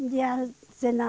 dia senang di sini baru